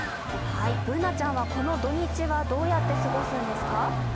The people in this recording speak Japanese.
Ｂｏｏｎａちゃんは、この土日はどうやって過ごすんですか？